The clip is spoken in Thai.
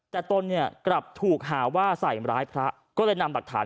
แต่ตอนเนี้ยกลับถูกหาว่าส่ายหรือร้ายพระก็เลยนำดักฐาน